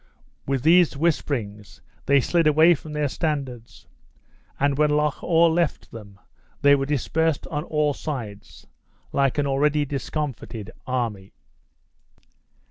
With these whisperings, they slid away from their standards; and when Loch awe left them they were dispersed on all sides, like an already discomfited army.